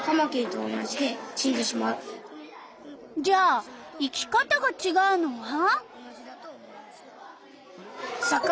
じゃあ生き方がちがうのは？